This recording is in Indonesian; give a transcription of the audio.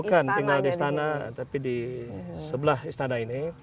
bukan tinggal di istana tapi di sebelah istana ini